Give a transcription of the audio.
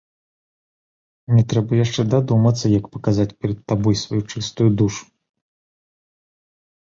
Мне трэба яшчэ дадумацца, як паказаць перад табою сваю чыстую душу.